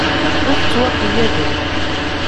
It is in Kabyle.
Ur tettwaxeyyabemt.